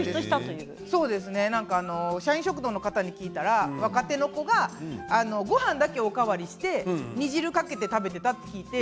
社員食堂の方に聞いたら若手の子が、ごはんだけをお代わりして煮汁をかけて食べていたと。